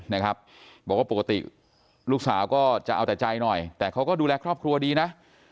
นะครับบอกว่าปกติลูกสาวก็จะเอาแต่ใจหน่อยแต่เขาก็ดูแลครอบครัวดีนะ